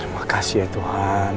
terima kasih ya tuhan